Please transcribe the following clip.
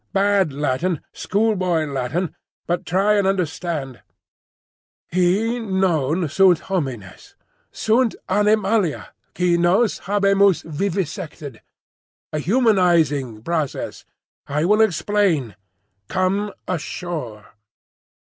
bad Latin, schoolboy Latin; but try and understand. Hi non sunt homines; sunt animalia qui nos habemus—vivisected. A humanising process. I will explain. Come ashore."